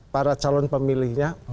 para calon pemilihnya